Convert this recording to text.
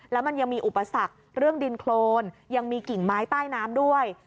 แล้วมันยังมีอุปสรรคเรื่องดินโครนยังมีกิ่งไม้ใต้น้ำด้วย